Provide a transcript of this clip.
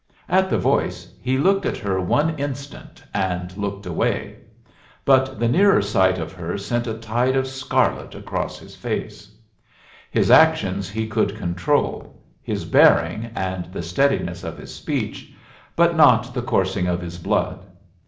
At the voice, he looked at her one instant, and looked away; but the nearer sight of her sent a tide of scarlet across his face. His actions he could control, his bearing, and the steadiness of his speech, but not the coursing of his blood.